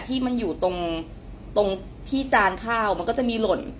ที่มันอยู่ตรงที่จานข้าวมันก็จะมีหล่น